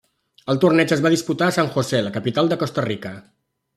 El torneig es va disputar a San José, la capital de Costa Rica.